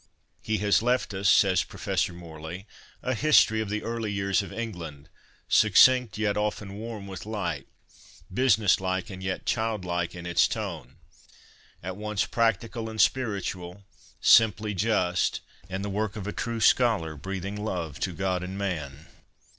" He has left us," says Professor Morley, "a history of the early years of England, succinct, yet often warm with life ; business like, and yet childlike in its tone ; at once practical and spiritual, simply just, and the work of a true scholar, breathing love to God and man.